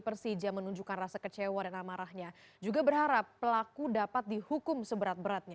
persija menunjukkan rasa kecewa dan amarahnya juga berharap pelaku dapat dihukum seberat beratnya